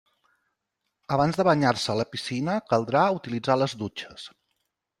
Abans de banyar-se a la piscina caldrà utilitzar les dutxes.